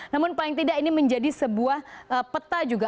namun paling tidak ini menjadi sebuah peta juga